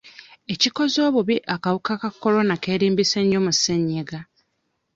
Ekikoze obubi akawuka ka Corona keerimbise nnyo mu ssenyiga.